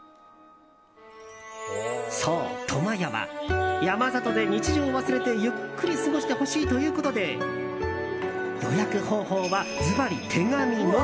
そう、苫屋は山里で日常を忘れてゆっくり過ごしてほしいということで予約方法はズバリ手紙のみ！